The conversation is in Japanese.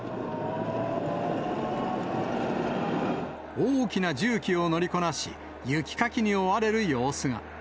大きな重機を乗りこなし、雪かきに追われる様子が。